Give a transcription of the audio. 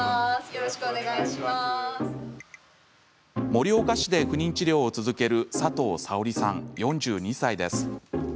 盛岡市で不妊治療を続ける佐藤沙織さん、４２歳です。